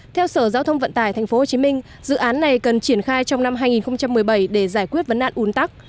theo sở giao thông vận tải thành phố hồ chí minh dự án này cần triển khai trong năm hai nghìn một mươi bảy để giải quyết vấn nạn ùn tắc